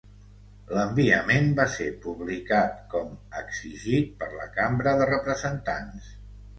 L'enviament va ser publicat com exigit per la Cambra de representants.